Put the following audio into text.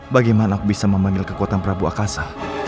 bagaimana aku bisa memanggil kekuatan prabu akasa